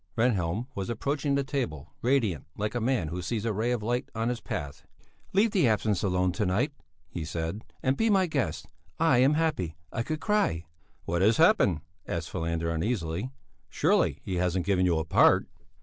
Rehnhjelm was approaching the table, radiant, like a man who sees a ray of light on his path. "Leave the absinth alone to night," he said, "and be my guest. I am happy, I could cry." "What has happened?" asked Falander uneasily. "Surely, he hasn't given you a part?"